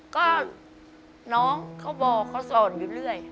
ก็น้องเขาบอกเขาสอนอยู่เรื่อย